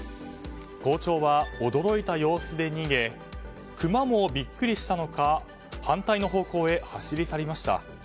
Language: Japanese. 校長は驚いた様子で逃げクマもビックリしたのか反対の方向へ走り去りました。